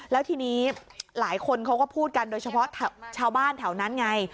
แล้วทีนี้หลายคนเขาก็พูดกันโดยเฉพาะชาวบ้านแถวนั้นไง